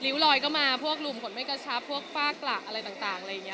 ลอยก็มาพวกหลุมขนไม่กระชับพวกฝ้ากระอะไรต่างอะไรอย่างนี้